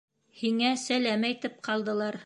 Һиңә сәләм әйтеп ҡалдылар.